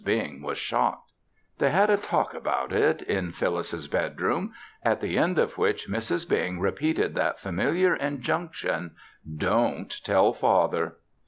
Bing was shocked. They had a talk about it up in Phyllis' bedroom at the end of which Mrs. Bing repeated that familiar injunction, "Don't tell father!"